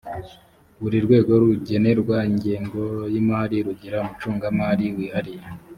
buri rwego rugenerwa ingengo y’imari rugira umucungamari wihariye